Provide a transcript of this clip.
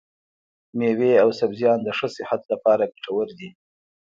مېوې او سبزيان د ښه صحت لپاره ګټور دي.